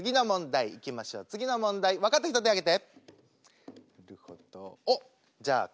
次の問題分かった人手挙げて。